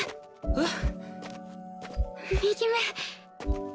えっ？